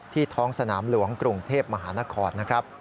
ที่ท้องสนามหลวงกรุงเทพมหานคร